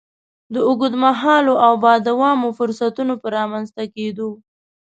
د اوږد مهالو او با دوامه فرصتونو په رامنځ ته کېدو.